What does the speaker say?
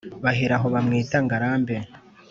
Bahera aho bamwita ngarambe